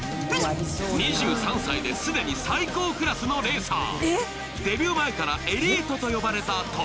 ２３歳で既に最高クラスのレーサー。